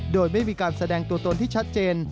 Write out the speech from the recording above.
โดยไม่มีการแสดงตัวตนที่ชัดเจน